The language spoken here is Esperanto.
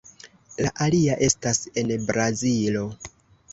La alia estas en Brazilo.